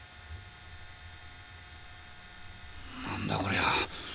何だこりゃ！？